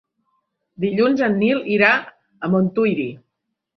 Dilluns en Nil irà a Montuïri.